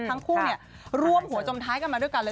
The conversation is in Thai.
ทั้งคู่รวมหัวจมท้ายกันมาด้วยกันเลย